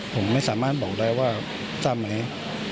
ผมไม่สามารถบอกได้ว่าทราบไหม